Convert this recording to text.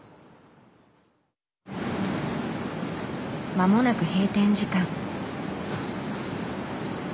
間もなく閉店時間。